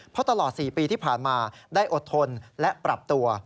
เพราะตลอด๔ปีที่ผ่านมาได้อดทนและปรับตัว